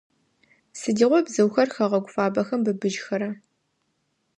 Сыдигъо бзыухэр хэгъэгу фабэхэм быбыжьхэра?